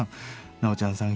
ナオちゃんさん